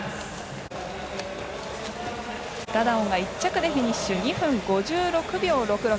ダダオンが１着でフィニッシュ２分５６秒６６。